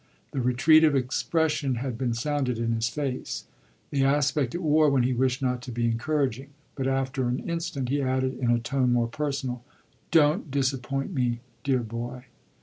The retreat of expression had been sounded in his face the aspect it wore when he wished not to be encouraging. But after an instant he added in a tone more personal: "Don't disappoint me, dear boy."